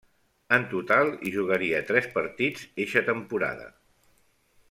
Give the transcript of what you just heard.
En total hi jugaria tres partits eixa temporada.